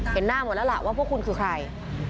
เห็นหน้าหมดแล้วล่ะว่าพวกคุณคือใคร